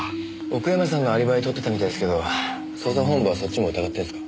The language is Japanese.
奥山さんのアリバイ取ってたみたいですけど捜査本部はそっちも疑ってんすか？